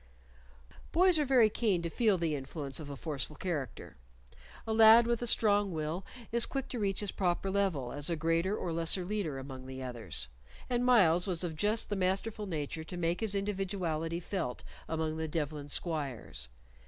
Boys are very keen to feel the influence of a forceful character. A lad with a strong will is quick to reach his proper level as a greater or lesser leader among the others, and Myles was of just the masterful nature to make his individuality felt among the Devlen squires.